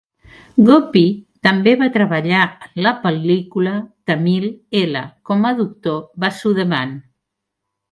Gopi també va treballar en la pel·lícula tamil "I" com a Doctor Vasudevan.